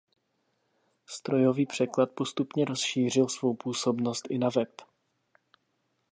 Strojový překlad postupně rozšířil svou působnost i na web.